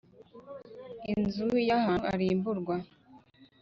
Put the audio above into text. Inzu ya ahabu irimburwa